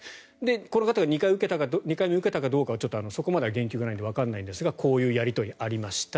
この方が２回目を受けたかどうかはそこまでは言及がないのでわからないんですがこういうやり取りがありました。